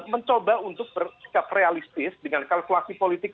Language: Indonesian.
mencoba untuk bersikap realistis dengan kalkulasi politik